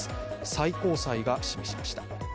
最高裁が示しました。